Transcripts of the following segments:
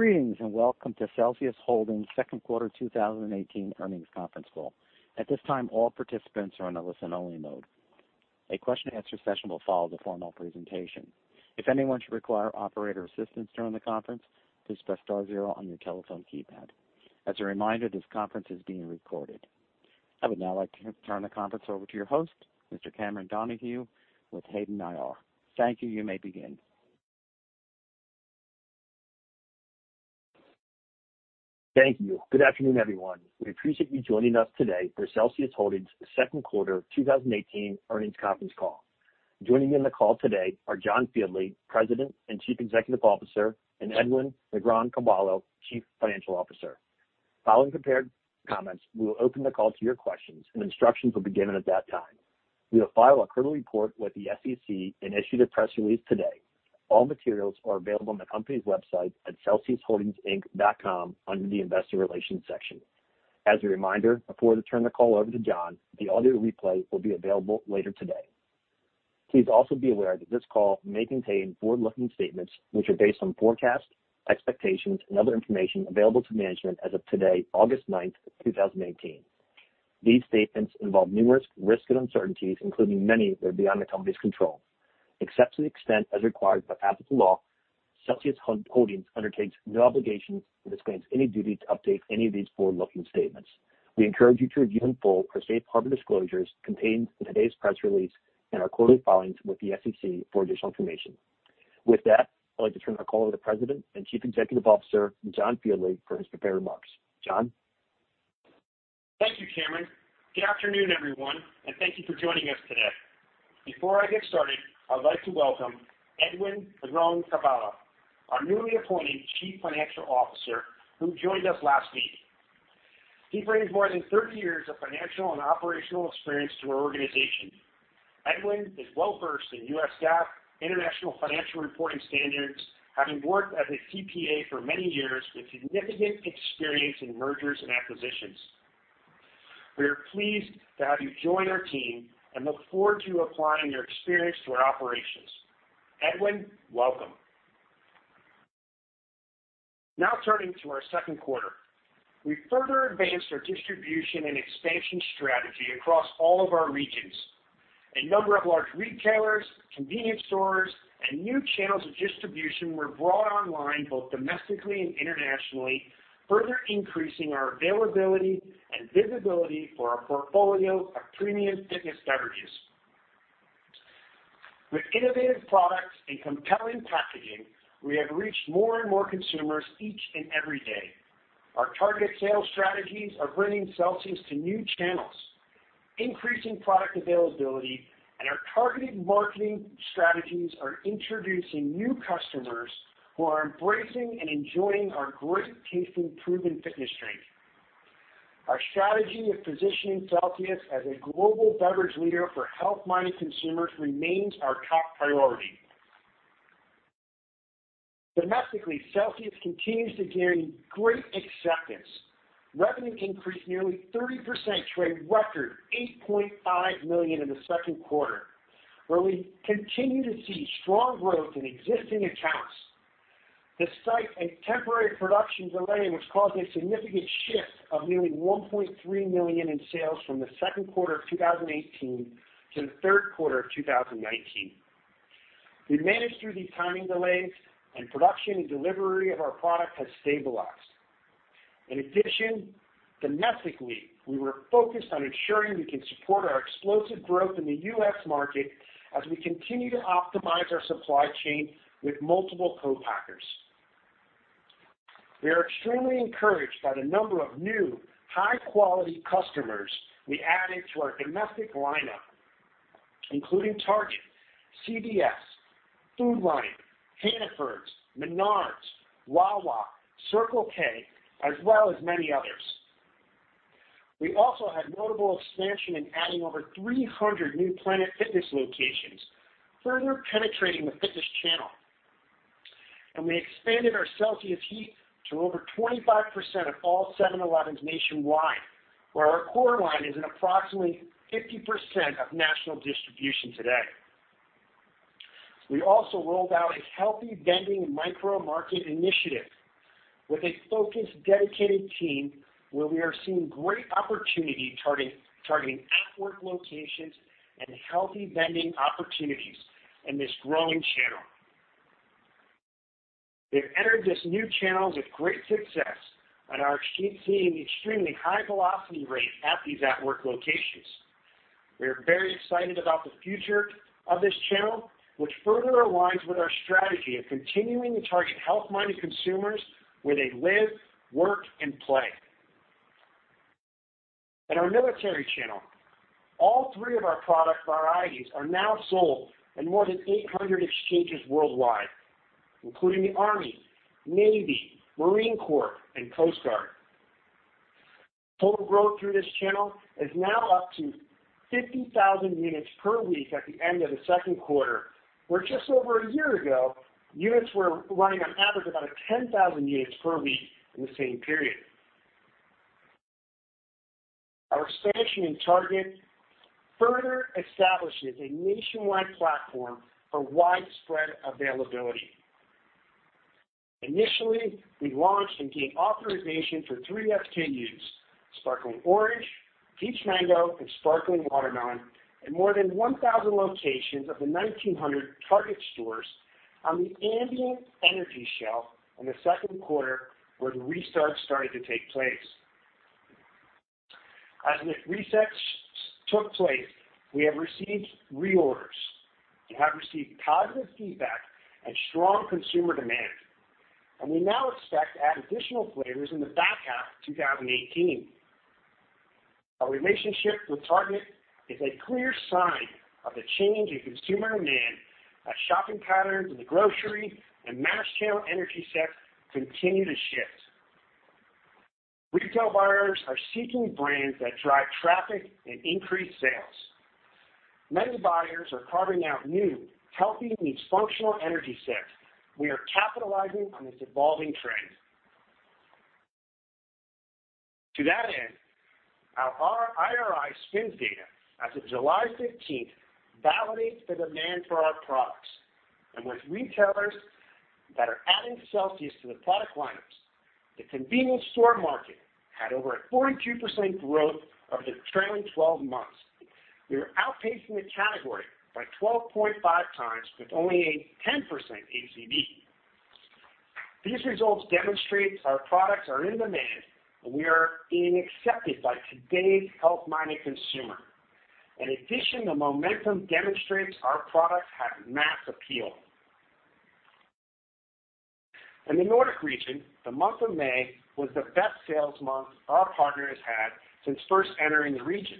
Greetings, and welcome to Celsius Holdings' second quarter 2018 earnings conference call. At this time, all participants are in a listen-only mode. A question and answer session will follow the formal presentation. If anyone should require operator assistance during the conference, please press star zero on your telephone keypad. As a reminder, this conference is being recorded. I would now like to turn the conference over to your host, Mr. Cameron Donahue with Hayden IR. Thank you. You may begin. Thank you. Good afternoon, everyone. We appreciate you joining us today for Celsius Holdings second quarter 2018 earnings conference call. Joining me on the call today are John Fieldly, President and Chief Executive Officer, and Edwin Negron-Carballo, Chief Financial Officer. Following prepared comments, we will open the call to your questions, and instructions will be given at that time. We have filed our quarterly report with the SEC and issued a press release today. All materials are available on the company's website at celsiusholdingsinc.com under the investor relations section. As a reminder, before we turn the call over to John, the audio replay will be available later today. Please also be aware that this call may contain forward-looking statements which are based on forecasts, expectations, and other information available to management as of today, August ninth, 2018. These statements involve numerous risks and uncertainties, including many that are beyond the company's control. Except to the extent as required by applicable law, Celsius Holdings undertakes no obligation and disclaims any duty to update any of these forward-looking statements. We encourage you to review in full our safe harbor disclosures contained in today's press release and our quarterly filings with the SEC for additional information. With that, I'd like to turn the call over to President and Chief Executive Officer, John Fieldly, for his prepared remarks. John? Thank you, Cameron. Good afternoon, everyone, and thank you for joining us today. Before I get started, I'd like to welcome Edwin Negron-Carballo, our newly appointed Chief Financial Officer who joined us last week. He brings more than 30 years of financial and operational experience to our organization. Edwin is well-versed in U.S. GAAP, International Financial Reporting Standards, having worked as a CPA for many years with significant experience in mergers and acquisitions. We are pleased to have you join our team and look forward to you applying your experience to our operations. Edwin, welcome. Now turning to our second quarter. We further advanced our distribution and expansion strategy across all of our regions. A number of large retailers, convenience stores, and new channels of distribution were brought online, both domestically and internationally, further increasing our availability and visibility for our portfolio of premium fitness beverages. With innovative products and compelling packaging, we have reached more and more consumers each and every day. Our targeted sales strategies are bringing Celsius to new channels, increasing product availability, and our targeted marketing strategies are introducing new customers who are embracing and enjoying our great-tasting, proven fitness drink. Our strategy of positioning Celsius as a global beverage leader for health-minded consumers remains our top priority. Domestically, Celsius continues to gain great acceptance. Revenue increased nearly 30%, to a record $8.5 million in the second quarter, where we continue to see strong growth in existing accounts, despite a temporary production delay which caused a significant shift of nearly $1.3 million in sales from the second quarter of 2018 to the third quarter of 2019. We managed through these timing delays, and production and delivery of our product has stabilized. In addition, domestically, we were focused on ensuring we can support our explosive growth in the U.S. market as we continue to optimize our supply chain with multiple co-packers. We are extremely encouraged by the number of new high-quality customers we added to our domestic lineup, including Target, CVS, Food Lion, Hannaford, Menards, Wawa, Circle K, as well as many others. We also had notable expansion in adding over 300 new Planet Fitness locations, further penetrating the fitness channel. We expanded our Celsius HEAT to over 25% of all 7-Elevens nationwide, where our core line is in approximately 50% of national distribution today. We also rolled out a healthy vending micro market initiative with a focused, dedicated team where we are seeing great opportunity targeting at-work locations and healthy vending opportunities in this growing channel. We have entered this new channel with great success and are seeing extremely high velocity rates at these at-work locations. We are very excited about the future of this channel, which further aligns with our strategy of continuing to target health-minded consumers where they live, work, and play. In our military channel, all three of our product varieties are now sold in more than 800 exchanges worldwide, including the U.S. Army, U.S. Navy, U.S. Marine Corps, and U.S. Coast Guard. Total growth through this channel is now up to 50,000 units per week at the end of the second quarter, where just over a year ago, units were running on average about 10,000 units per week in the same period. Our expansion in Target further establishes a nationwide platform for widespread availability. Initially, we launched and gained authorization for 3 SKUs, Sparkling Orange, Peach Mango, and Sparkling Watermelon, in more than 1,000 locations of the 1,900 Target stores on the ambient energy shelf in the second quarter, where the resets started to take place. As this reset took place, we have received reorders and have received positive feedback and strong consumer demand. We now expect to add additional flavors in the back half of 2018. Our relationship with Target is a clear sign of the change in consumer demand as shopping patterns in the grocery and mass channel energy sets continue to shift. Retail buyers are seeking brands that drive traffic and increase sales. Many buyers are carving out new healthy niche functional energy sets. We are capitalizing on this evolving trend. To that end, our IRI SPINS data as of July 15th validates the demand for our products. With retailers that are adding Celsius to the product lineups, the convenience store market had over a 42% growth over the trailing 12 months. We are outpacing the category by 12.5 times with only a 10% ACV. These results demonstrate our products are in demand, and we are being accepted by today's health-minded consumer. In addition, the momentum demonstrates our products have mass appeal. In the Nordic region, the month of May was the best sales month our partner has had since first entering the region.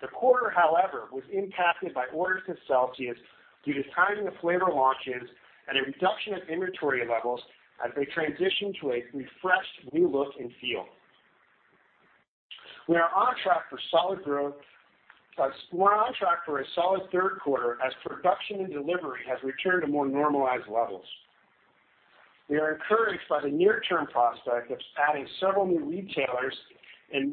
The quarter, however, was impacted by orders of Celsius due to timing of flavor launches and a reduction of inventory levels as they transition to a refreshed new look and feel. We are on track for a solid third quarter as production and delivery has returned to more normalized levels. We are encouraged by the near-term prospect of adding several new retailers and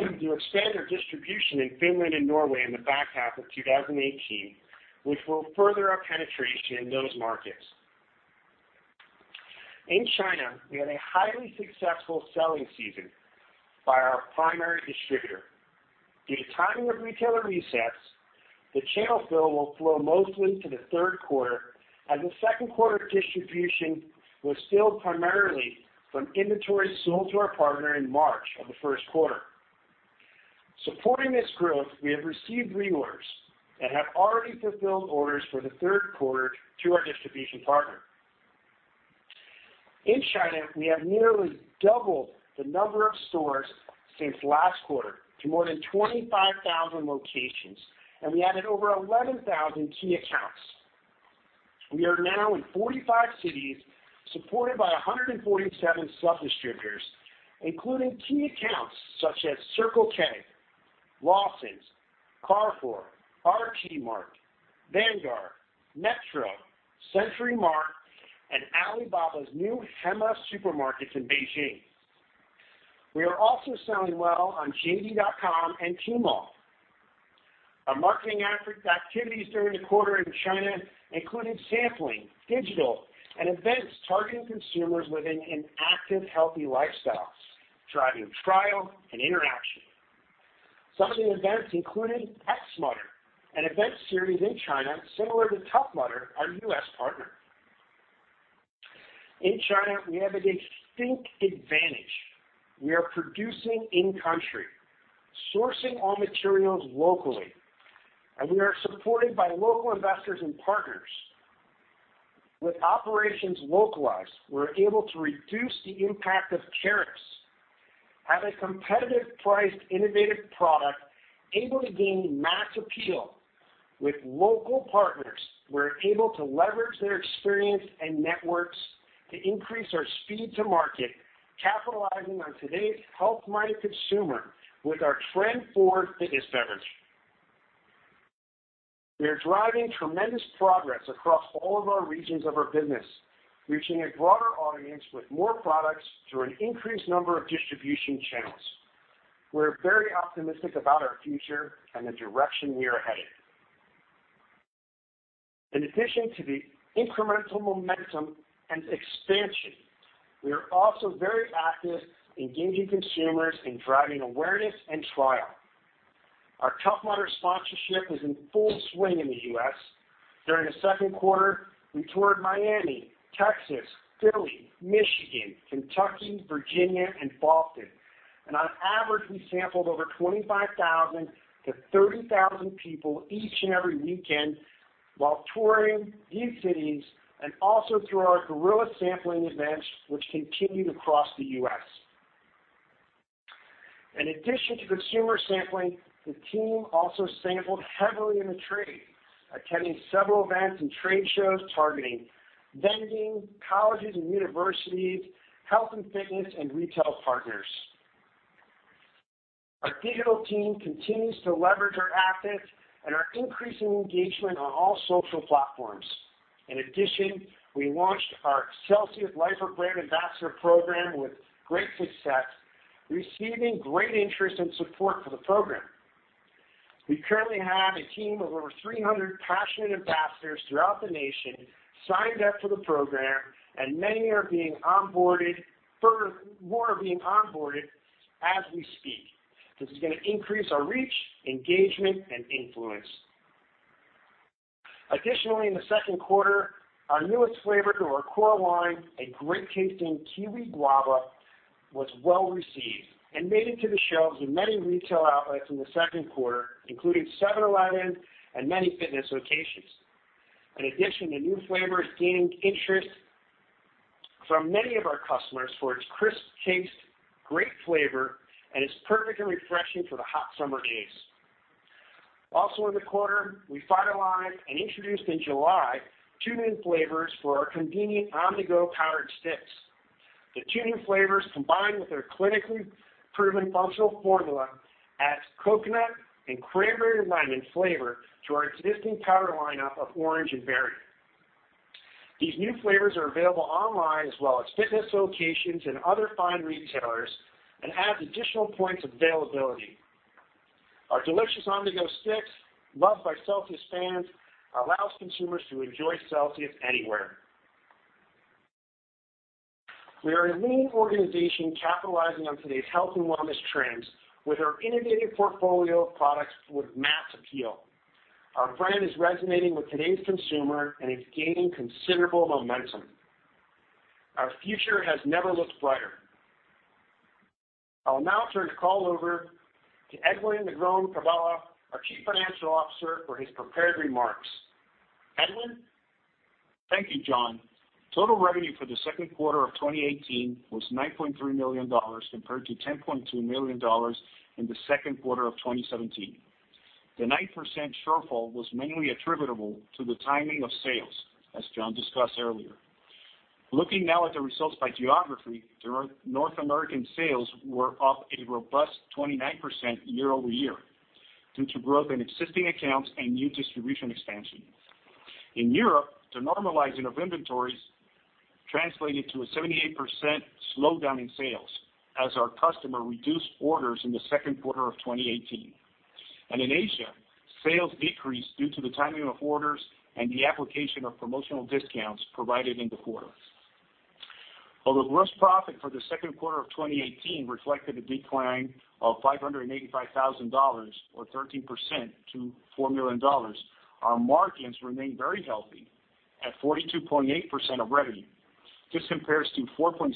to expand our distribution in Finland and Norway in the back half of 2018, which will further our penetration in those markets. In China, we had a highly successful selling season by our primary distributor. Due to timing of retailer resets, the channel fill will flow mostly to the third quarter, as the second quarter distribution was filled primarily from inventory sold to our partner in March of the first quarter. Supporting this growth, we have received reorders and have already fulfilled orders for the third quarter through our distribution partner. In China, we have nearly doubled the number of stores since last quarter to more than 25,000 locations, and we added over 11,000 key accounts. We are now in 45 cities, supported by 147 sub-distributors, including key accounts such as Circle K, Lawson, Carrefour, RT-Mart, Vanguard, Metro, Century Mart, and Alibaba's new Hema supermarkets in Beijing. We are also selling well on JD.com and Tmall. Our marketing activities during the quarter in China included sampling, digital, and events targeting consumers living an active, healthy lifestyles, driving trial and interaction. Some of the events included X-Mudder, an event series in China similar to Tough Mudder, our U.S. partner. In China, we have a distinct advantage. We are producing in-country, sourcing all materials locally, and we are supported by local investors and partners. With operations localized, we're able to reduce the impact of tariffs, have a competitive priced, innovative product able to gain mass appeal. With local partners, we're able to leverage their experience and networks to increase our speed to market, capitalizing on today's health-minded consumer with our trend forward fitness beverage. We are driving tremendous progress across all of our regions of our business, reaching a broader audience with more products through an increased number of distribution channels. We're very optimistic about our future and the direction we are headed. In addition to the incremental momentum and expansion, we are also very active engaging consumers in driving awareness and trial. Our Tough Mudder sponsorship is in full swing in the U.S. During the second quarter, we toured Miami, Texas, Philly, Michigan, Kentucky, Virginia, and Boston. On average, we sampled over 25,000-30,000 people each and every weekend while touring these cities and also through our guerrilla sampling events, which continued across the U.S. In addition to consumer sampling, the team also sampled heavily in the trade, attending several events and trade shows targeting vending, colleges and universities, health and fitness, and retail partners. Our digital team continues to leverage our assets and are increasing engagement on all social platforms. In addition, we launched our Celsius Live Fit Brand Ambassador Program with great success, receiving great interest and support for the program. We currently have a team of over 300 passionate ambassadors throughout the nation signed up for the program, and many more are being onboarded as we speak. This is going to increase our reach, engagement, and influence. Additionally, in the second quarter, our newest flavor to our core line, a great tasting Kiwi Guava, was well received and made it to the shelves in many retail outlets in the second quarter, including 7-Eleven and many fitness locations. In addition, the new flavor is gaining interest from many of our customers for its crisp taste, great flavor, and is perfectly refreshing for the hot summer days. Also in the quarter, we finalized and introduced in July two new flavors for our convenient on-the-go powdered sticks. The two new flavors, combined with our clinically proven functional formula, adds coconut and Cranberry Lemon flavor to our existing powder lineup of orange and berry. These new flavors are available online, as well as fitness locations and other fine retailers, and adds additional points of availability. Our delicious on-the-go sticks, loved by Celsius fans, allows consumers to enjoy Celsius anywhere. We are a lean organization capitalizing on today's health and wellness trends with our innovative portfolio of products with mass appeal. Our brand is resonating with today's consumer and is gaining considerable momentum. Our future has never looked brighter. I'll now turn the call over to Edwin Negron-Carballo, our Chief Financial Officer, for his prepared remarks. Edwin? Thank you, John. Total revenue for the second quarter of 2018 was $9.3 million compared to $10.2 million in the second quarter of 2017. The 9% shortfall was mainly attributable to the timing of sales, as John discussed earlier. Looking now at the results by geography, North American sales were up a robust 29% year-over-year due to growth in existing accounts and new distribution expansion. In Europe, the normalizing of inventories translated to a 78% slowdown in sales as our customer reduced orders in the second quarter of 2018. In Asia, sales decreased due to the timing of orders and the application of promotional discounts provided in the quarter. Although gross profit for the second quarter of 2018 reflected a decline of $585,000, or 13% to $4 million, our margins remained very healthy at 42.8% of revenue. This compares to $4.6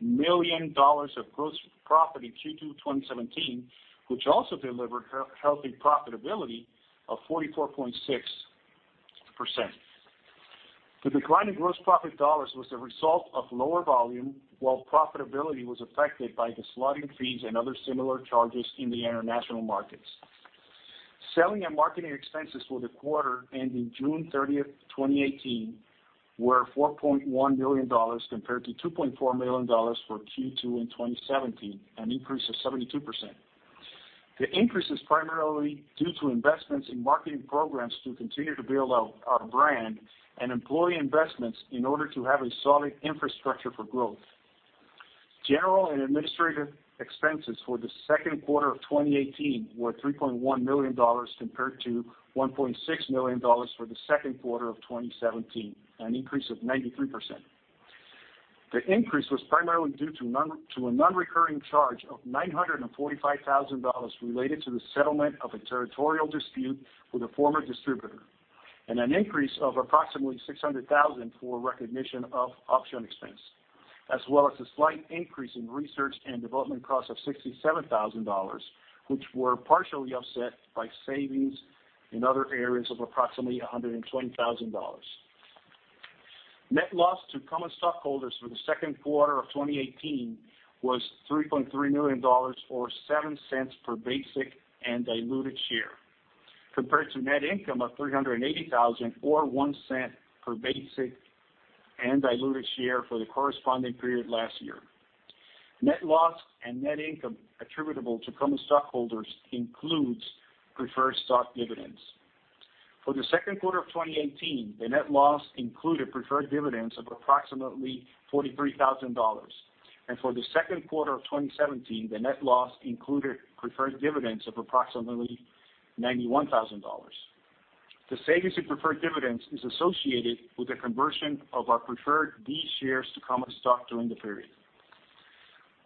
million of gross profit in Q2 2017, which also delivered healthy profitability of 44.6%. The decline in gross profit dollars was the result of lower volume, while profitability was affected by the slotting fees and other similar charges in the international markets. Selling and marketing expenses for the quarter ending June 30, 2018, were $4.1 million compared to $2.4 million for Q2 in 2017, an increase of 72%. The increase is primarily due to investments in marketing programs to continue to build out our brand and employee investments in order to have a solid infrastructure for growth. General and administrative expenses for the second quarter of 2018 were $3.1 million compared to $1.6 million for the second quarter of 2017, an increase of 93%. The increase was primarily due to a non-recurring charge of $945,000 related to the settlement of a territorial dispute with a former distributor and an increase of approximately $600,000 for recognition of option expense, as well as a slight increase in research and development costs of $67,000, which were partially offset by savings in other areas of approximately $120,000. Net loss to common stockholders for the second quarter of 2018 was $3.3 million or $0.07 per basic and diluted share, compared to net income of $380,000 or $0.01 per basic and diluted share for the corresponding period last year. Net loss and net income attributable to common stockholders includes preferred stock dividends. For the second quarter of 2018, the net loss included preferred dividends of approximately $43,000. For the second quarter of 2017, the net loss included preferred dividends of approximately $91,000. The savings in preferred dividends is associated with the conversion of our preferred B shares to common stock during the period.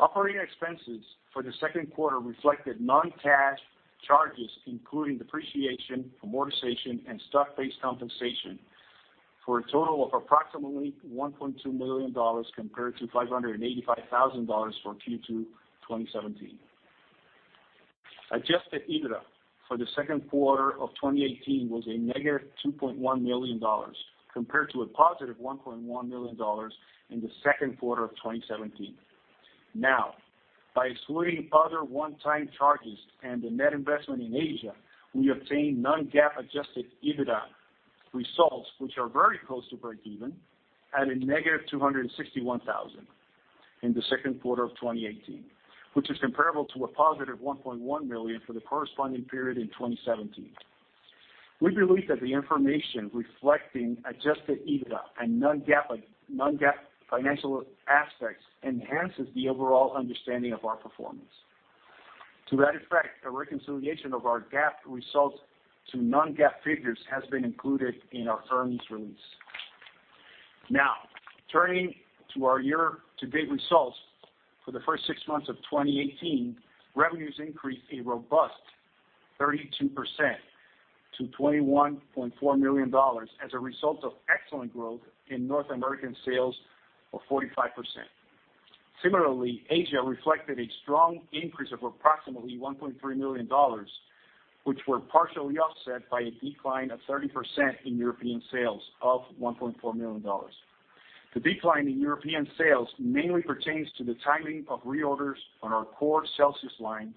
Operating expenses for the second quarter reflected non-cash charges, including depreciation, amortization, and stock-based compensation, for a total of approximately $1.2 million compared to $585,000 for Q2 2017. Adjusted EBITDA for the second quarter of 2018 was a negative $2.1 million, compared to a positive $1.1 million in the second quarter of 2017. By excluding other one-time charges and the net investment in Asia, we obtain non-GAAP adjusted EBITDA results, which are very close to breakeven at a negative $261,000. In the second quarter of 2018, which is comparable to a positive $1.1 million for the corresponding period in 2017. We believe that the information reflecting adjusted EBITDA and non-GAAP financial aspects enhances the overall understanding of our performance. To that effect, a reconciliation of our GAAP results to non-GAAP figures has been included in our earnings release. Turning to our year-to-date results for the first six months of 2018, revenues increased a robust 32% to $21.4 million as a result of excellent growth in North American sales of 45%. Similarly, Asia reflected a strong increase of approximately $1.3 million, which were partially offset by a decline of 30% in European sales of $1.4 million. The decline in European sales mainly pertains to the timing of reorders on our core Celsius line,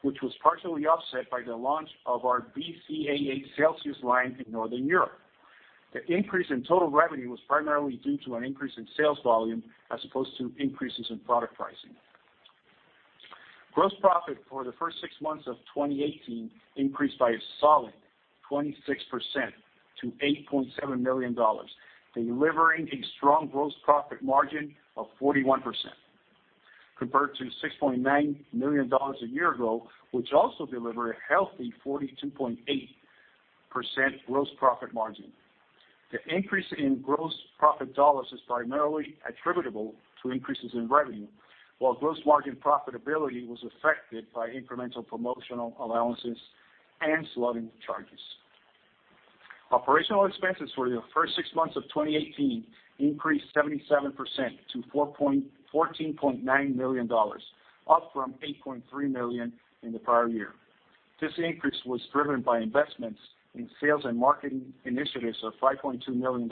which was partially offset by the launch of our BCAA Celsius line in Northern Europe. The increase in total revenue was primarily due to an increase in sales volume as opposed to increases in product pricing. Gross profit for the first six months of 2018 increased by a solid 26% to $8.7 million, delivering a strong gross profit margin of 41%, compared to $6.9 million a year ago, which also delivered a healthy 42.8% gross profit margin. The increase in gross profit dollars is primarily attributable to increases in revenue, while gross margin profitability was affected by incremental promotional allowances and slotting charges. Operational expenses for the first six months of 2018 increased 77% to $14.9 million, up from $8.3 million in the prior year. This increase was driven by investments in sales and marketing initiatives of $5.2 million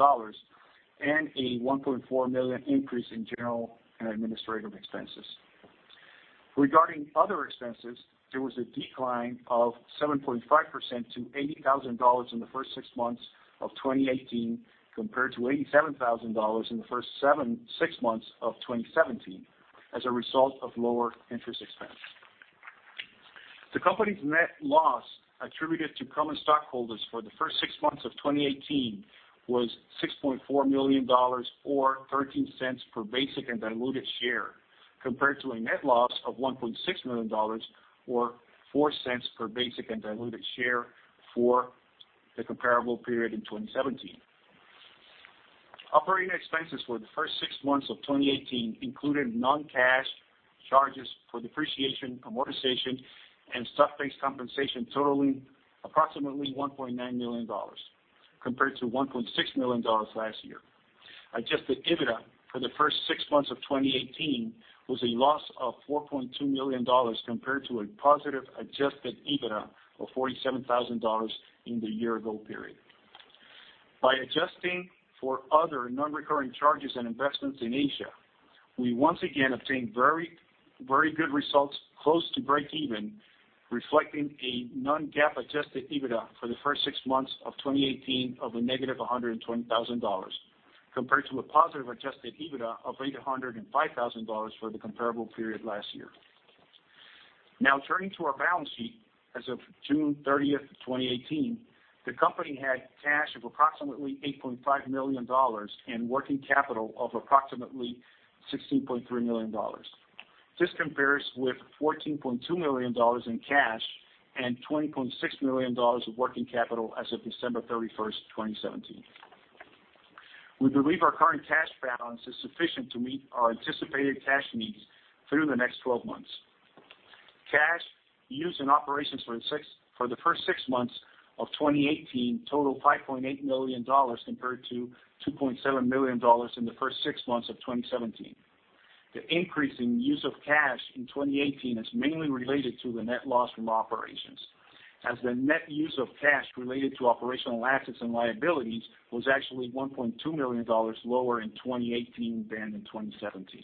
and a $1.4 million increase in general and administrative expenses. Regarding other expenses, there was a decline of 7.5% to $80,000 in the first six months of 2018 compared to $87,000 in the first six months of 2017 as a result of lower interest expense. The company's net loss attributed to common stockholders for the first six months of 2018 was $6.4 million, or $0.13 per basic and diluted share, compared to a net loss of $1.6 million, or $0.04 per basic and diluted share for the comparable period in 2017. Operating expenses for the first six months of 2018 included non-cash charges for depreciation, amortization, and stock-based compensation totaling approximately $1.9 million, compared to $1.6 million last year. Adjusted EBITDA for the first six months of 2018 was a loss of $4.2 million, compared to a positive adjusted EBITDA of $47,000 in the year-ago period. By adjusting for other non-recurring charges and investments in Asia, we once again obtained very good results close to breakeven, reflecting a non-GAAP adjusted EBITDA for the first six months of 2018 of a negative $120,000, compared to a positive adjusted EBITDA of $805,000 for the comparable period last year. Turning to our balance sheet as of June 30th, 2018, the company had cash of approximately $8.5 million and working capital of approximately $16.3 million. This compares with $14.2 million in cash and $20.6 million of working capital as of December 31st, 2017. We believe our current cash balance is sufficient to meet our anticipated cash needs through the next 12 months. Cash use in operations for the first six months of 2018 totaled $5.8 million, compared to $2.7 million in the first six months of 2017. The increase in use of cash in 2018 is mainly related to the net loss from operations, as the net use of cash related to operational assets and liabilities was actually $1.2 million lower in 2018 than in 2017.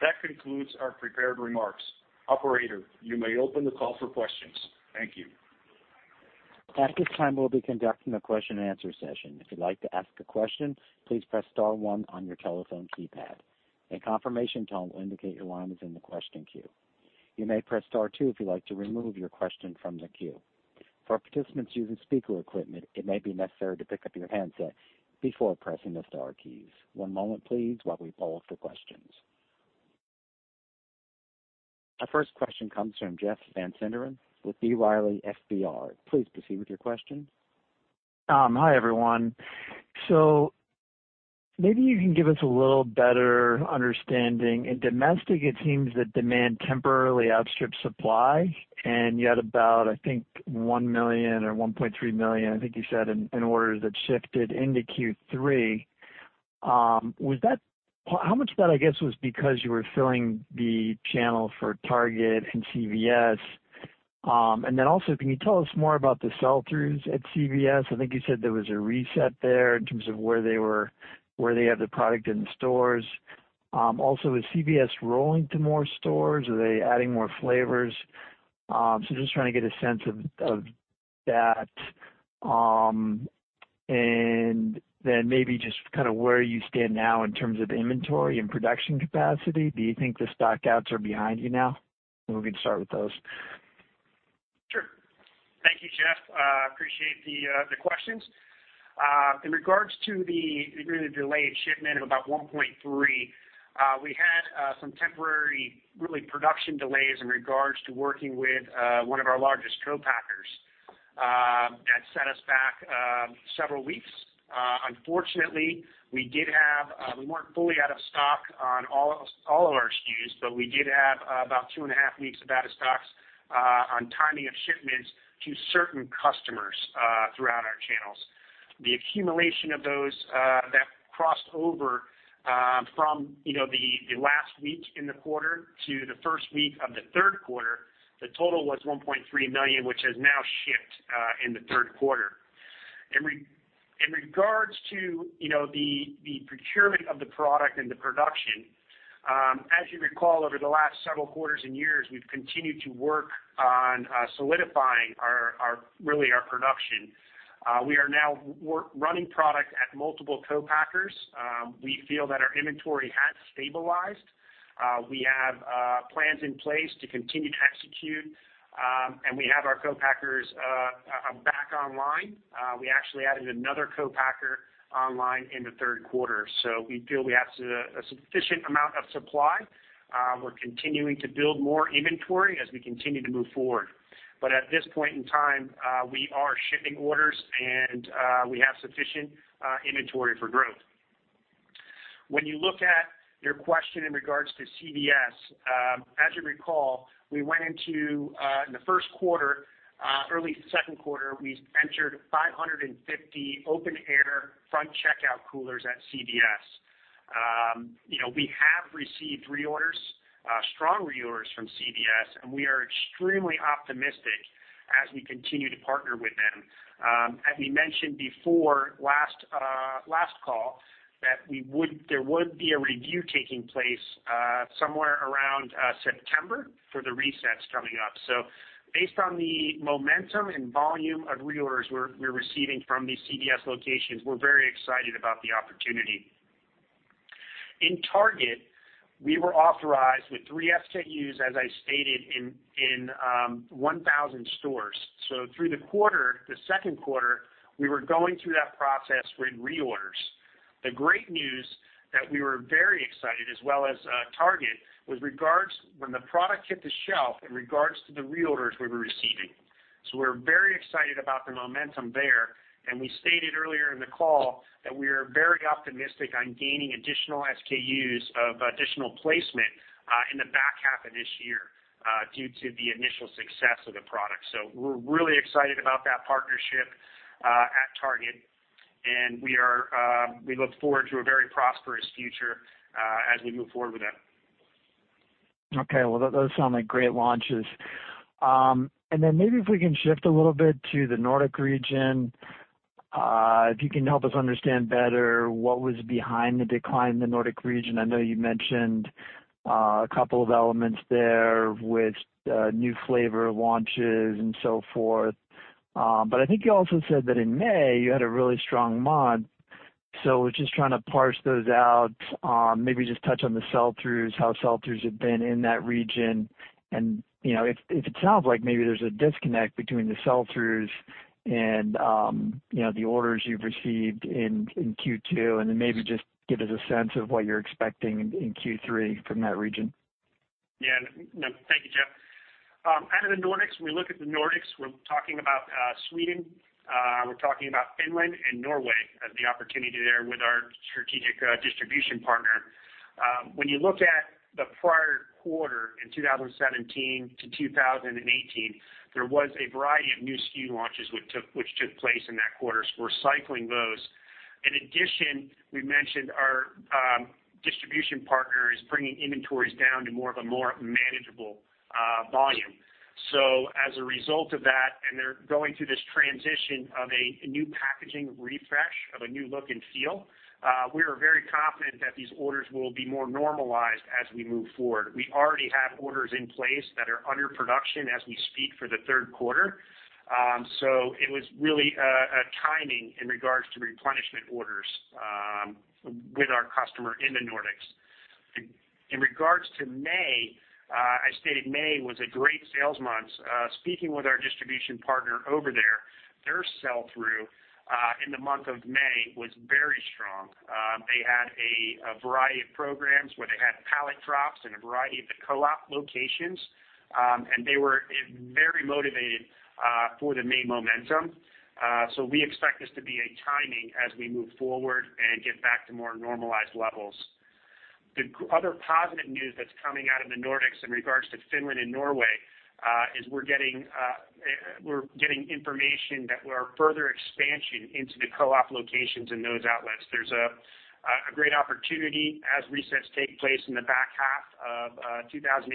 That concludes our prepared remarks. Operator, you may open the call for questions. Thank you. At this time, we'll be conducting a question and answer session. If you'd like to ask a question, please press star one on your telephone keypad. A confirmation tone will indicate your line is in the question queue. You may press star two if you'd like to remove your question from the queue. For participants using speaker equipment, it may be necessary to pick up your handset before pressing the star keys. One moment please while we poll for questions. Our first question comes from Jeff Van Sinderen with B. Riley FBR. Please proceed with your question. Hi, everyone. Maybe you can give us a little better understanding. In domestic, it seems that demand temporarily outstripped supply, and you had about, I think $1 million or $1.3 million, I think you said, in orders that shifted into Q3. How much of that, I guess, was because you were filling the channel for Target and CVS? Also, can you tell us more about the sell-throughs at CVS? I think you said there was a reset there in terms of where they have the product in stores. Also, is CVS rolling to more stores? Are they adding more flavors? Just trying to get a sense of that, maybe just where you stand now in terms of inventory and production capacity. Do you think the stockouts are behind you now? Maybe we can start with those. Sure. Thank you, Jeff. Appreciate the questions. In regards to the really delayed shipment of about $1.3, we had some temporary really production delays in regards to working with one of our largest co-packers. That set us back several weeks. Unfortunately, we weren't fully out of stock on all of our SKUs, but we did have about two and a half weeks of out-of-stocks on timing of shipments to certain customers throughout our channels. The accumulation of those that crossed over from the last week in the quarter to the first week of the third quarter, the total was $1.3 million, which has now shipped in the third quarter. In regards to the procurement of the product and the production, as you recall, over the last several quarters and years, we've continued to work on solidifying really our production. We are now running product at multiple co-packers. We feel that our inventory has stabilized. We have plans in place to continue to execute. We have our co-packers back online. We actually added another co-packer online in the third quarter. We feel we have a sufficient amount of supply. We're continuing to build more inventory as we continue to move forward. At this point in time, we are shipping orders, and we have sufficient inventory for growth. When you look at your question in regards to CVS, as you recall, in the first quarter, early second quarter, we entered 550 open air front checkout coolers at CVS. We have received reorders, strong reorders from CVS, and we are extremely optimistic as we continue to partner with them. As we mentioned before last call, that there would be a review taking place somewhere around September for the resets coming up. Based on the momentum and volume of reorders we're receiving from these CVS locations, we're very excited about the opportunity. In Target, we were authorized with three SKUs, as I stated, in 1,000 stores. Through the quarter, the second quarter, we were going through that process with reorders. The great news that we were very excited as well as Target was when the product hit the shelf in regards to the reorders we were receiving. We're very excited about the momentum there, and we stated earlier in the call that we are very optimistic on gaining additional SKUs of additional placement in the back half of this year due to the initial success of the product. We're really excited about that partnership at Target. We look forward to a very prosperous future as we move forward with them. Well, those sound like great launches. Maybe if we can shift a little bit to the Nordic region. If you can help us understand better what was behind the decline in the Nordic region. I know you mentioned a couple of elements there with new flavor launches and so forth. I think you also said that in May you had a really strong month. Was just trying to parse those out. Maybe just touch on the sell-throughs, how sell-throughs have been in that region, and if it sounds like maybe there's a disconnect between the sell-throughs and the orders you've received in Q2, and then maybe just give us a sense of what you're expecting in Q3 from that region. No, thank you, Jeff. Out of the Nordics, we look at the Nordics, we're talking about Sweden, we're talking about Finland, and Norway as the opportunity there with our strategic distribution partner. When you look at the prior quarter in 2017 to 2018, there was a variety of new SKU launches which took place in that quarter, so we're cycling those. In addition, we mentioned our distribution partner is bringing inventories down to more of a more manageable volume. As a result of that, and they're going through this transition of a new packaging refresh, of a new look and feel, we are very confident that these orders will be more normalized as we move forward. We already have orders in place that are under production as we speak for the third quarter. It was really a timing in regards to replenishment orders with our customer in the Nordics. In regards to May, I stated May was a great sales month. Speaking with our distribution partner over there, their sell-through in the month of May was very strong. They had a variety of programs where they had pallet drops in a variety of the co-op locations, and they were very motivated for the May momentum. We expect this to be a timing as we move forward and get back to more normalized levels. The other positive news that's coming out of the Nordics in regards to Finland and Norway, is we're getting information that our further expansion into the co-op locations in those outlets. There's a great opportunity as resets take place in the back half of 2018,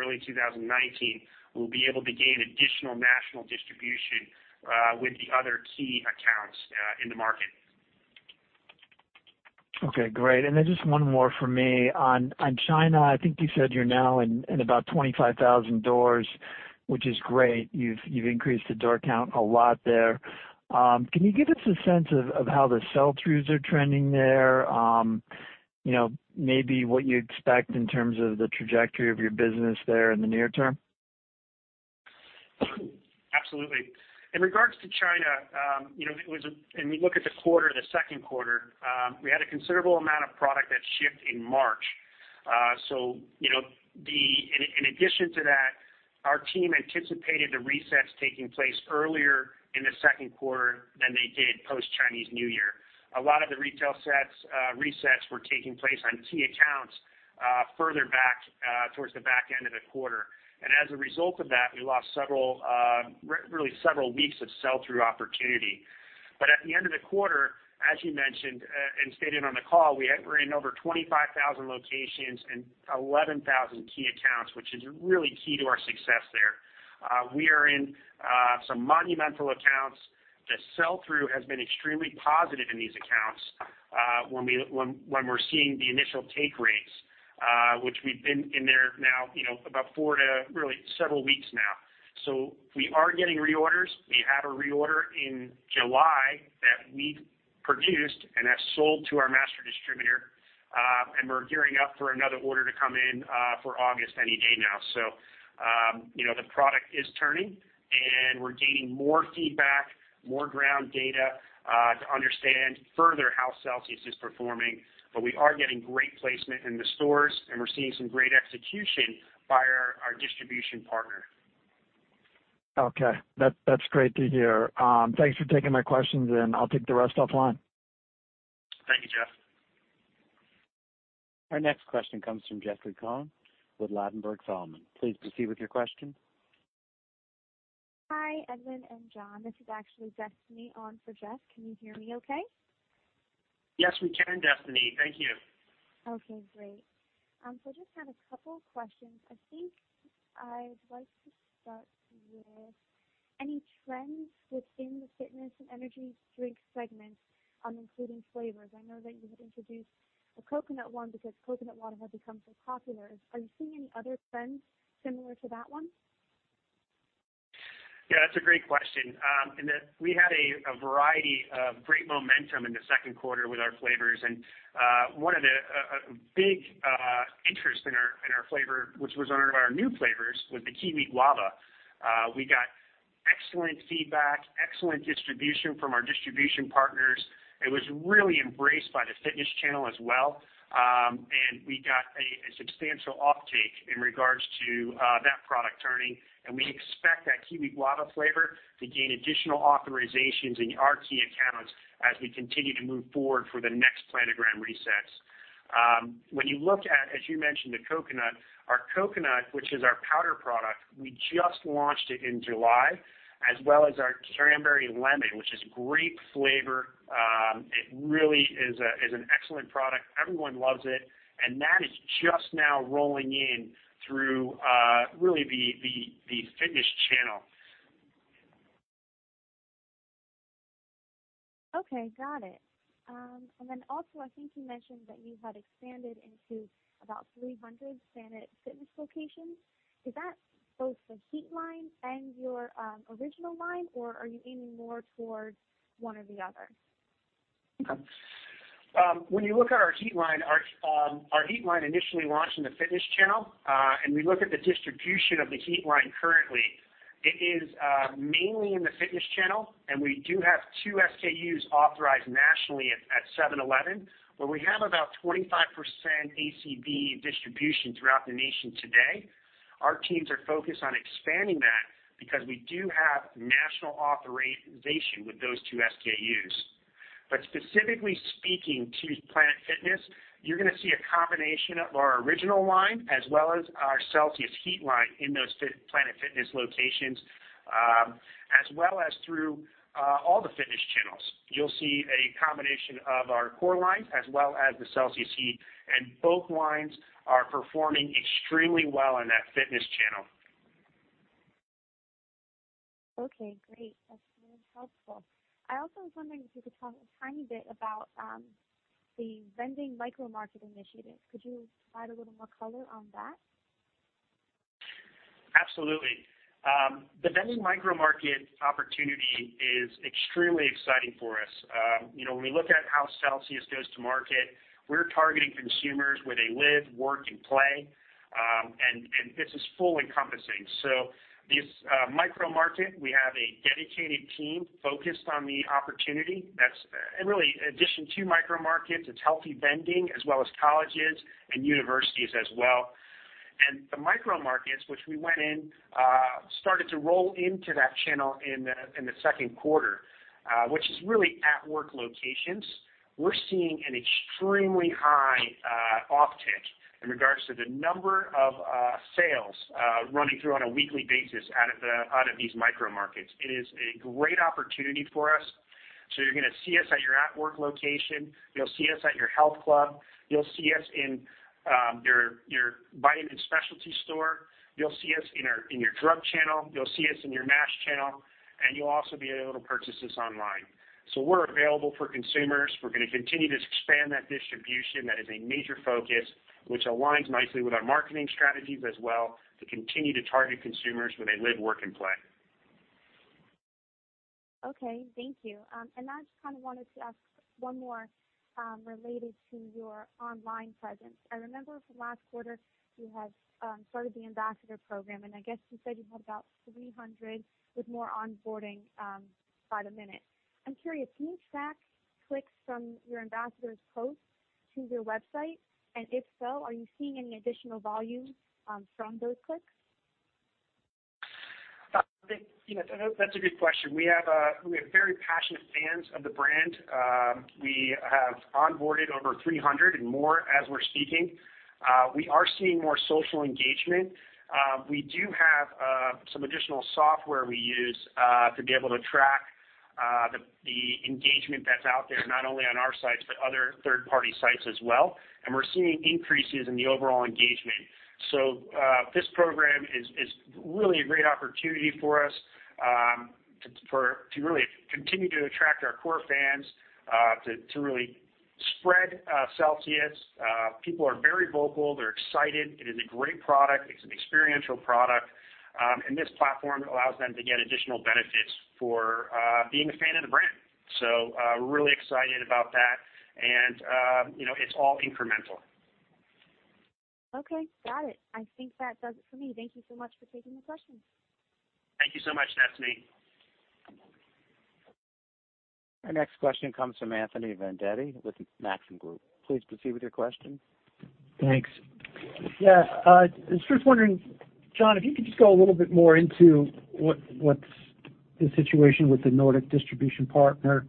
early 2019. We'll be able to gain additional national distribution with the other key accounts in the market. Okay, great. Just one more from me. On China, I think you said you're now in about 25,000 doors, which is great. You've increased the door count a lot there. Can you give us a sense of how the sell-throughs are trending there? Maybe what you expect in terms of the trajectory of your business there in the near term? Absolutely. In regards to China, we look at the quarter, the second quarter, we had a considerable amount of product that shipped in March. In addition to that, our team anticipated the resets taking place earlier in the second quarter than they did post Chinese New Year. A lot of the resets were taking place on key accounts further back towards the back end of the quarter. As a result of that, we lost really several weeks of sell-through opportunity. At the end of the quarter, as you mentioned and stated on the call, we're in over 25,000 locations and 11,000 key accounts, which is really key to our success there. We are in some monumental accounts. The sell-through has been extremely positive in these accounts when we're seeing the initial take rates, which we've been in there now about four to really several weeks now. We are getting reorders. We have a reorder in July that we produced and have sold to our master distributor, and we're gearing up for another order to come in for August any day now. The product is turning, and we're gaining more feedback, more ground data, to understand further how Celsius is performing. We are getting great placement in the stores, and we're seeing some great execution by our distribution partner. Okay. That's great to hear. Thanks for taking my questions, and I'll take the rest offline. Thank you, Jeff. Our next question comes from Jeffrey Cohen with Ladenburg Thalmann. Please proceed with your question. Hi, Edwin and John. This is actually Destiny on for Jeff. Can you hear me okay? Yes, we can, Destiny. Thank you. Okay, great. Just had a couple questions. I think I'd like to start with any trends within the fitness and energy drink segments, including flavors. I know that you had introduced a coconut one because coconut water had become so popular. Are you seeing any other trends similar to that one? Yeah, that's a great question. In that we had a variety of great momentum in the second quarter with our flavors. One of the big interests in our flavor, which was one of our new flavors, was the Kiwi Guava. We got excellent feedback, excellent distribution from our distribution partners. It was really embraced by the fitness channel as well. We got a substantial offtake in regards to that product turning, and we expect that Kiwi Guava flavor to gain additional authorizations in our key accounts as we continue to move forward for the next planogram resets. When you look at, as you mentioned, the coconut, our coconut, which is our powder product, we just launched it in July, as well as our Cranberry Lemon, which is great flavor. It really is an excellent product. Everyone loves it, that is just now rolling in through really the fitness channel. Okay, got it. Also, I think you mentioned that you had expanded into about 300 Planet Fitness locations. Is that both the Heat line and your original line, or are you leaning more towards one or the other? When you look at our Heat line, our Heat line initially launched in the fitness channel. We look at the distribution of the Heat line currently, it is mainly in the fitness channel, we do have two SKUs authorized nationally at 7-Eleven, where we have about 25% ACV distribution throughout the nation today. Our teams are focused on expanding that because we do have national authorization with those two SKUs. Specifically speaking to Planet Fitness, you're going to see a combination of our original line as well as our Celsius HEAT line in those Planet Fitness locations, as well as through all the fitness channels. You'll see a combination of our core lines as well as the Celsius HEAT, both lines are performing extremely well in that fitness channel. Okay, great. That's really helpful. I also was wondering if you could talk a tiny bit about the vending micromarket initiative. Could you provide a little more color on that? Absolutely. The vending micromarket opportunity is extremely exciting for us. When we look at how Celsius goes to market, we're targeting consumers where they live, work, and play, and this is full encompassing. This micromarket, we have a dedicated team focused on the opportunity. That's really addition to micromarkets. It's healthy vending as well as colleges and universities as well. The micromarkets, which we went in, started to roll into that channel in the second quarter, which is really at work locations. We're seeing an extremely high offtake in regards to the number of sales running through on a weekly basis out of these micromarkets. It is a great opportunity for us. You're going to see us at your at work location, you'll see us at your health club, you'll see us in your vitamin specialty store, you'll see us in your drug channel, you'll see us in your mass channel, you'll also be able to purchase us online. We're available for consumers. We're going to continue to expand that distribution. That is a major focus, which aligns nicely with our marketing strategies as well, to continue to target consumers where they live, work, and play. Okay, thank you. I just wanted to ask one more related to your online presence. I remember from last quarter you had started the Ambassador Program, and I guess you said you had about 300 with more onboarding by the minute. I'm curious, can you track clicks from your ambassador's posts to your website? If so, are you seeing any additional volume from those clicks? That's a good question. We have very passionate fans of the brand. We have onboarded over 300 and more as we're speaking. We are seeing more social engagement. We do have some additional software we use to be able to track the engagement that's out there, not only on our sites but other third party sites as well. We're seeing increases in the overall engagement. This program is really a great opportunity for us to really continue to attract our core fans, to really spread Celsius. People are very vocal. They're excited. It is a great product. It's an experiential product. This platform allows them to get additional benefits for being a fan of the brand. Really excited about that. It's all incremental. Okay, got it. I think that does it for me. Thank you so much for taking the questions. Thank you so much, Destiny. Our next question comes from Anthony Vendetti with Maxim Group. Please proceed with your question. Thanks. Yeah. I was just wondering, John, if you could just go a little bit more into what's the situation with the Nordic distribution partner.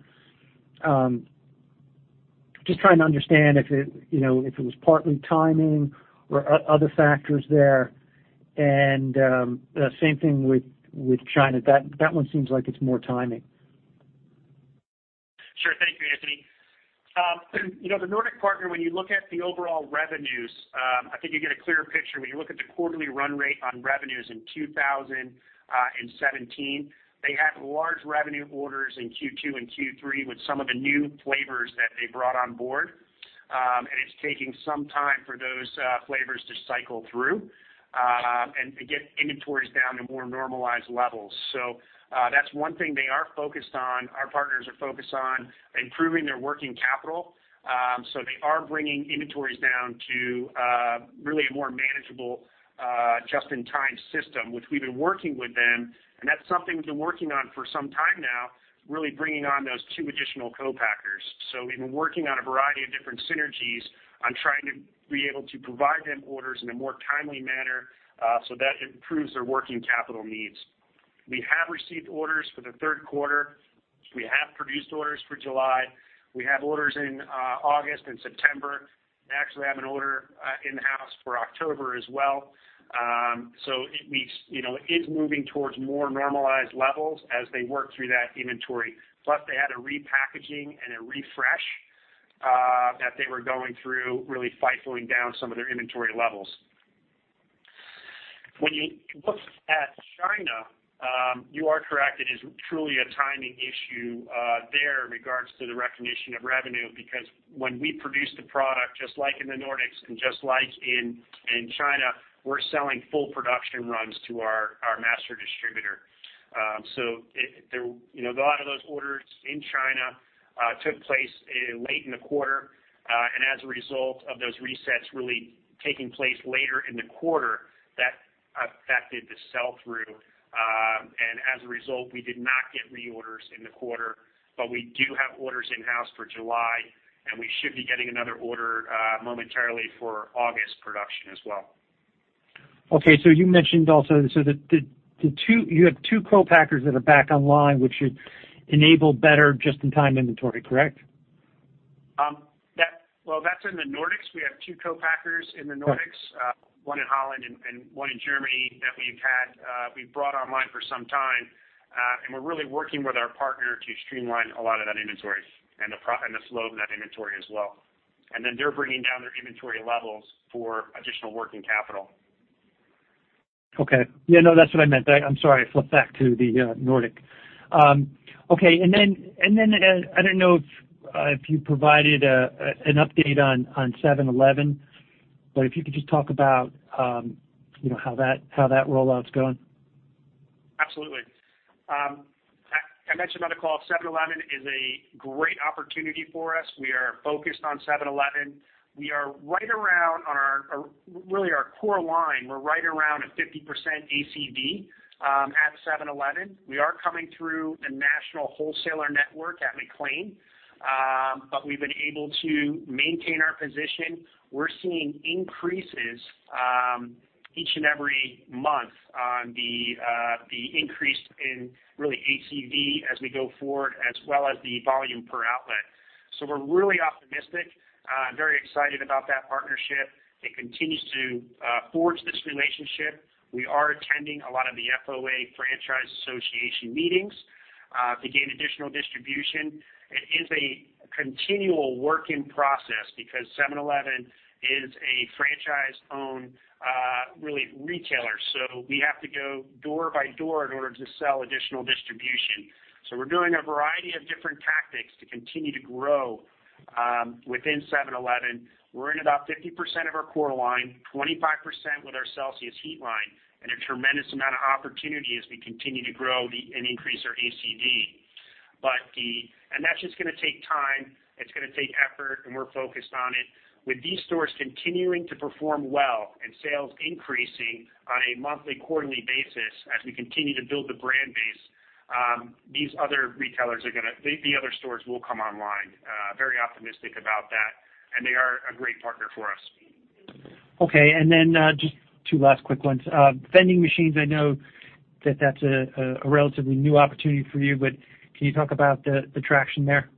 Just trying to understand if it was partly timing or other factors there, and same thing with China. That one seems like it's more timing. Sure. Thank you, Anthony. The Nordic partner, when you look at the overall revenues, I think you get a clearer picture when you look at the quarterly run rate on revenues in 2017. They had large revenue orders in Q2 and Q3 with some of the new flavors that they brought on board. It's taking some time for those flavors to cycle through, and to get inventories down to more normalized levels. That's one thing they are focused on. Our partners are focused on improving their working capital. They are bringing inventories down to really a more manageable just in time system, which we've been working with them, and that's something we've been working on for some time now, really bringing on those two additional co-packers. We've been working on a variety of different synergies on trying to be able to provide them orders in a more timely manner so that it improves their working capital needs. We have received orders for the third quarter. We have produced orders for July. We have orders in August and September. We actually have an order in-house for October as well. It is moving towards more normalized levels as they work through that inventory. Plus, they had a repackaging and a refresh that they were going through, really FIFOing down some of their inventory levels. When you look at China, you are correct, it is truly a timing issue there in regards to the recognition of revenue, because when we produce the product, just like in the Nordics and just like in China, we're selling full production runs to our master distributor. A lot of those orders in China took place late in the quarter, and as a result of those resets really taking place later in the quarter, that affected the sell-through. As a result, we did not get reorders in the quarter, we do have orders in-house for July, we should be getting another order momentarily for August production as well. You mentioned also you have two co-packers that are back online, which should enable better just-in-time inventory, correct? Well, that's in the Nordics. We have two co-packers in the Nordics. Right. One in Holland and one in Germany that we've brought online for some time. We're really working with our partner to streamline a lot of that inventory and the flow of that inventory as well. Then they're bringing down their inventory levels for additional working capital. Okay. Yeah, no, that's what I meant. I'm sorry. I flipped back to the Nordic. Okay, I don't know if you provided an update on 7-Eleven, but if you could just talk about how that rollout's going. Absolutely. I mentioned on the call, 7-Eleven is a great opportunity for us. We are focused on 7-Eleven. We are right around on really our core line. We're right around a 50% ACV at 7-Eleven. We are coming through the national wholesaler network at McLane. We've been able to maintain our position. We're seeing increases each and every month on the increase in really ACV as we go forward, as well as the volume per outlet. We're really optimistic, very excited about that partnership. It continues to forge this relationship. We are attending a lot of the IFA Franchise Association meetings to gain additional distribution. It is a continual work in process because 7-Eleven is a franchise-owned retailer. We have to go door by door in order to sell additional distribution. We're doing a variety of different tactics to continue to grow within 7-Eleven. We're in about 50% of our core line, 25% with our Celsius HEAT line, and a tremendous amount of opportunity as we continue to grow and increase our ACV. That's just going to take time, it's going to take effort, and we're focused on it. With these stores continuing to perform well and sales increasing on a monthly, quarterly basis as we continue to build the brand base, the other stores will come online. Very optimistic about that, and they are a great partner for us. Okay, then just two last quick ones. Vending machines, I know that that's a relatively new opportunity for you, but can you talk about the traction there?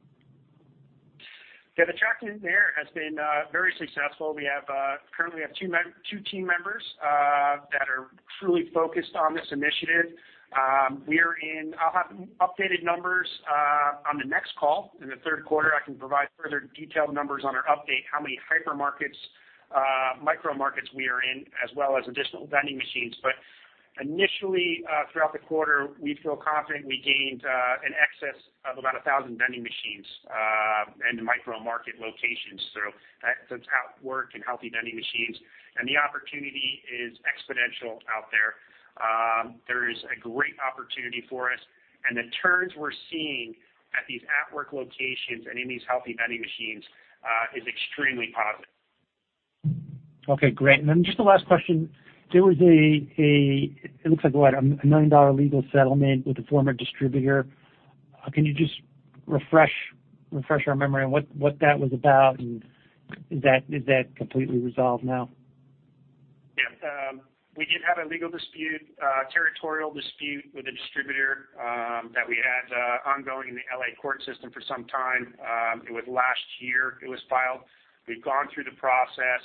Yeah, the traction there has been very successful. We currently have two team members that are truly focused on this initiative. I'll have updated numbers on the next call. In the third quarter, I can provide further detailed numbers on our update, how many hyper markets, micro markets we are in, as well as additional vending machines. Initially, throughout the quarter, we feel confident we gained in excess of about 1,000 vending machines and micro market locations. That's at work and healthy vending machines, and the opportunity is exponential out there. There is a great opportunity for us, and the turns we're seeing at these at-work locations and in these healthy vending machines is extremely positive. Okay, great. Then just the last question. There was a $9 legal settlement with a former distributor. Can you just refresh our memory on what that was about, and is that completely resolved now? Yeah. We did have a legal dispute, territorial dispute with a distributor that we had ongoing in the L.A. court system for some time. It was last year it was filed. We've gone through the process.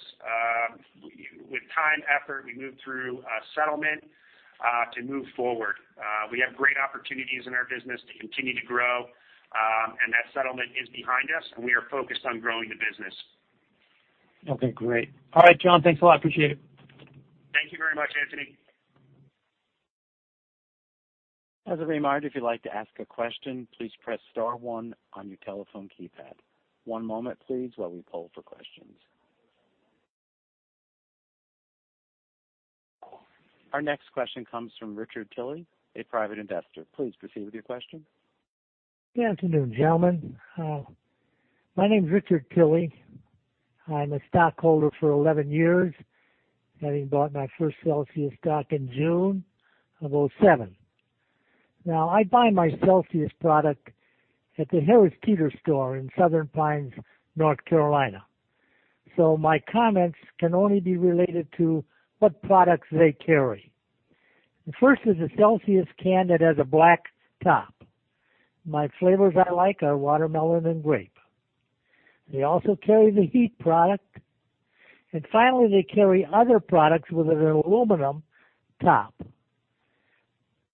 With time, effort, we moved through a settlement to move forward. We have great opportunities in our business to continue to grow, and that settlement is behind us, and we are focused on growing the business. Okay, great. All right, John, thanks a lot. Appreciate it. Thank you very much, Anthony. As a reminder, if you'd like to ask a question, please press star one on your telephone keypad. One moment, please, while we poll for questions. Our next question comes from Richard Tilley, a private investor. Please proceed with your question. Good afternoon, gentlemen. My name's Richard Tilley. I'm a stockholder for 11 years, having bought my first Celsius stock in June of 2007. I buy my Celsius product at the Harris Teeter store in Southern Pines, North Carolina. My comments can only be related to what products they carry. The first is a Celsius can that has a black top. My flavors I like are watermelon and grape. They also carry the Heat product. Finally, they carry other products with an aluminum top.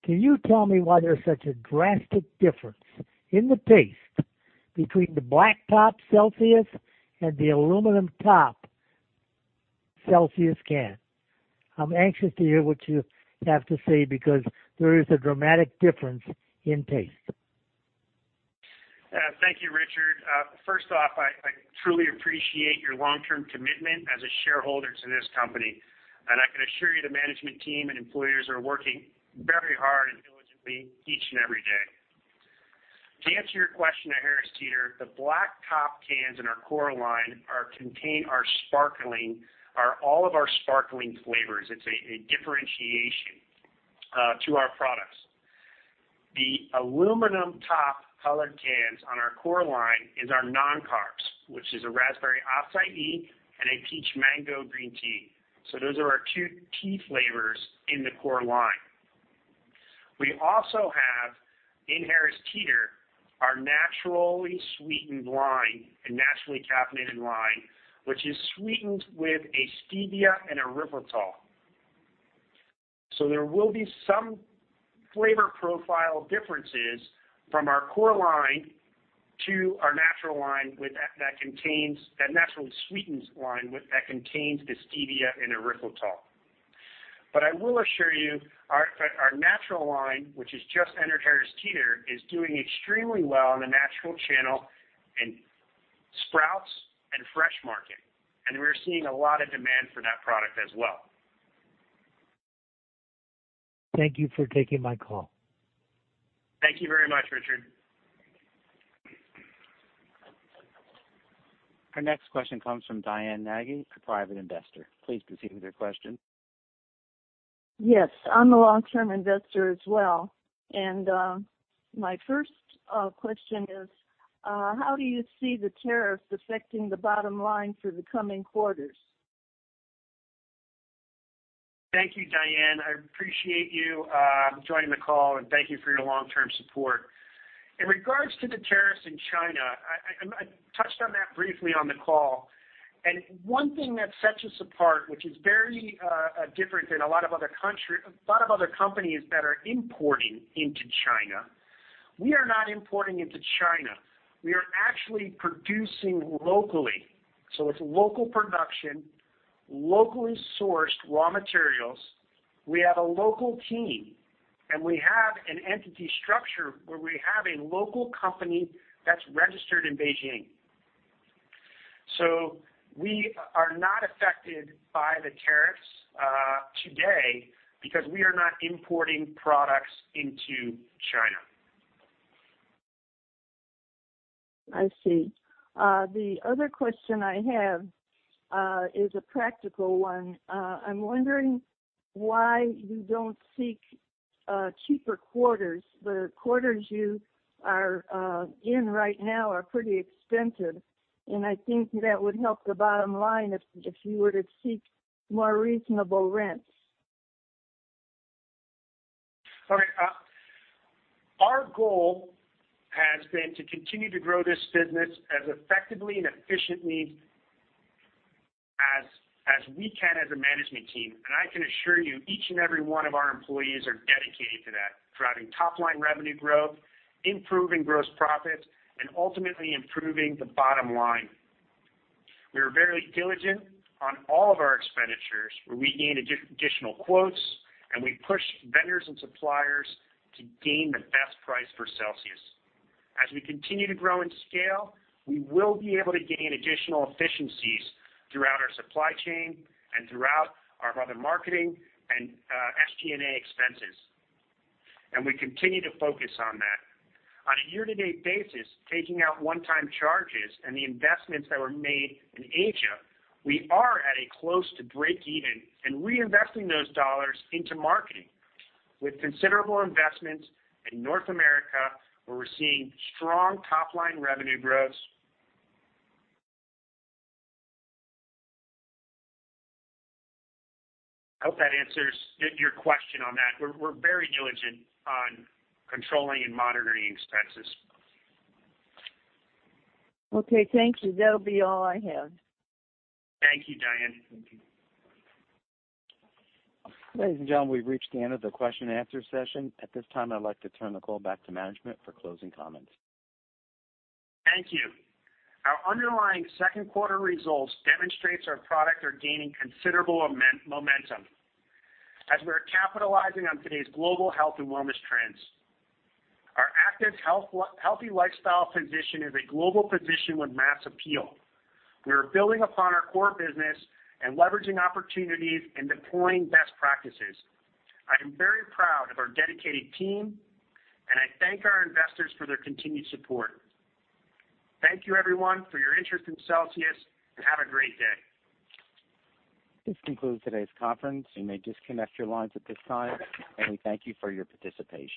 Can you tell me why there's such a drastic difference in the taste between the black top Celsius and the aluminum top Celsius can? I'm anxious to hear what you have to say because there is a dramatic difference in taste. Thank you, Richard. First off, I truly appreciate your long-term commitment as a shareholder to this company. I can assure you the management team and employers are working very hard and diligently each and every day. To answer your question, at Harris Teeter, the black top cans in our core line contain all of our sparkling flavors. It's a differentiation to our products. The aluminum top colored cans on our core line is our non-carbs, which is a raspberry acai tea and a Peach Mango Green Tea. Those are our two tea flavors in the core line. We also have, in Harris Teeter, our naturally sweetened line and naturally caffeinated line, which is sweetened with a stevia and erythritol. There will be some flavor profile differences from our core line to our naturally sweetened line, that contains the stevia and erythritol. I will assure you, our natural line, which has just entered Harris Teeter, is doing extremely well in the natural channel in Sprouts Farmers Market and The Fresh Market. We're seeing a lot of demand for that product as well. Thank you for taking my call. Thank you very much, Richard. Our next question comes from Diane Nagy, a private investor. Please proceed with your question. Yes. I'm a long-term investor as well, and my first question is, how do you see the tariffs affecting the bottom line for the coming quarters? Thank you, Diane. I appreciate you joining the call, and thank you for your long-term support. In regards to the tariffs in China, I touched on that briefly on the call, and one thing that sets us apart, which is very different than a lot of other companies that are importing into China, we are not importing into China. We are actually producing locally. It's local production, locally sourced raw materials. We have a local team. We have an entity structure where we have a local company that's registered in Beijing. We are not affected by the tariffs today because we are not importing products into China. I see. The other question I have is a practical one. I'm wondering why you don't seek cheaper quarters. The quarters you are in right now are pretty expensive, and I think that would help the bottom line if you were to seek more reasonable rents. Okay. Our goal has been to continue to grow this business as effectively and efficiently as we can as a management team. I can assure you, each and every one of our employees are dedicated to that, driving top-line revenue growth, improving gross profit, and ultimately improving the bottom line. We are very diligent on all of our expenditures, where we gain additional quotes, and we push vendors and suppliers to gain the best price for Celsius. As we continue to grow in scale, we will be able to gain additional efficiencies throughout our supply chain and throughout our other marketing and SG&A expenses. We continue to focus on that. On a year-to-date basis, taking out one-time charges and the investments that were made in Asia, we are at a close to breakeven and reinvesting those dollars into marketing with considerable investments in North America, where we're seeing strong top-line revenue growth. I hope that answers your question on that. We're very diligent on controlling and monitoring expenses. Okay. Thank you. That'll be all I have. Thank you, Diane. Ladies and gentlemen, we've reached the end of the question and answer session. At this time, I'd like to turn the call back to management for closing comments. Thank you. Our underlying second quarter results demonstrates our product are gaining considerable momentum as we're capitalizing on today's global health and wellness trends. Our active healthy lifestyle position is a global position with mass appeal. We are building upon our core business and leveraging opportunities and deploying best practices. I am very proud of our dedicated team, and I thank our investors for their continued support. Thank you, everyone, for your interest in Celsius, and have a great day. This concludes today's conference. You may disconnect your lines at this time, and we thank you for your participation.